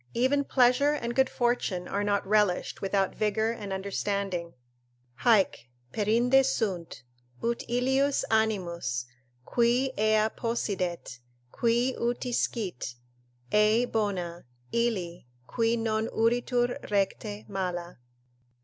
even pleasure and good fortune are not relished without vigour and understanding: "Haec perinde sunt, ut ilius animus; qui ea possidet Qui uti scit, ei bona; illi, qui non uritur recte, mala."